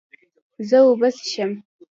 زه اوبه څښم